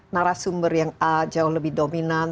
narasumber yang a jauh lebih dominan